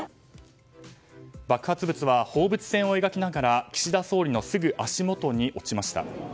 爆発物は放物線を描きながら岸田総理のすぐ足元に落ちました。